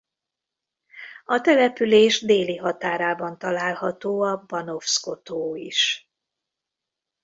A település déli határában található a Banovsko-tó is.